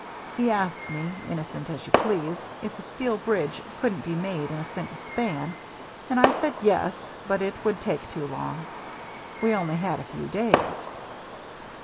"He asked me, innocent as you please, if a steel bridge couldn't be made in a single span, and I said, yes, but it would take too long. We only had a few days.